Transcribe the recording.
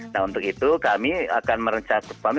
nah untuk itu kami akan merencanakan